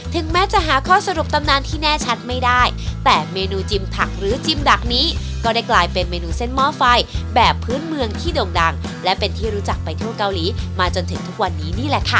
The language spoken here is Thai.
แม้จะหาข้อสรุปตำนานที่แน่ชัดไม่ได้แต่เมนูจิมผักหรือจิมดักนี้ก็ได้กลายเป็นเมนูเส้นหม้อไฟแบบพื้นเมืองที่โด่งดังและเป็นที่รู้จักไปทั่วเกาหลีมาจนถึงทุกวันนี้นี่แหละค่ะ